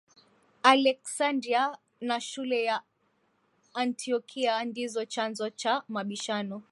Aleksandria na shule ya Antiokia ndizo chanzo cha mabishano